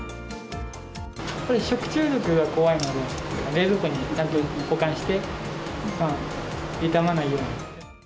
やっぱり食中毒が怖いので、冷蔵庫にちゃんと保管して傷まないように。